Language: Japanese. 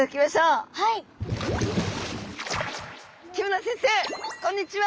木村先生こんにちは！